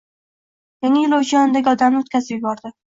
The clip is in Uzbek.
Yangi yo’lovchi yonidagi odamni o’tkazib yubordi